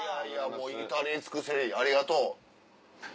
もう至れり尽くせりありがとう。